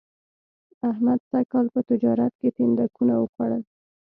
احمد سږ کال په تجارت کې تیندکونه و خوړل